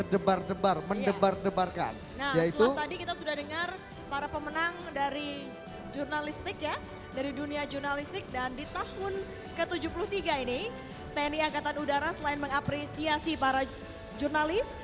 dari dunia jurnalistik dan di tahun ke tujuh puluh tiga ini tni angkatan udara selain mengapresiasi para jurnalis